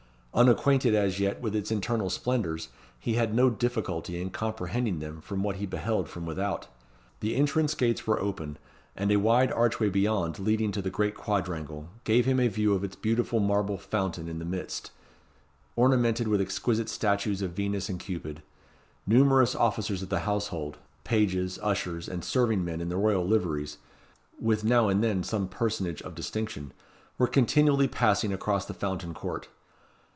Unacquainted as yet with its internal splendours, he had no difficulty in comprehending them from what he beheld from without. The entrance gates were open, and a wide archway beyond leading to the great quadrangle, gave him a view of its beautiful marble fountain in the midst, ornamented with exquisite statues of Venus and Cupid. Numerous officers of the household, pages, ushers, and serving men in the royal liveries, with now and then some personage of distinction, were continually passing across the Fountain Court.